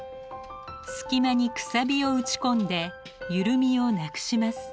隙間にくさびを打ち込んで緩みをなくします。